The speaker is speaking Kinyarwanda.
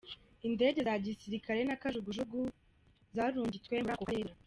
Indege za gisirikare na kajugujugu zarungitswe muri ako karere.